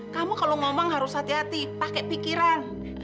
kamu kalau ngomong harus hati hati pakai pikiran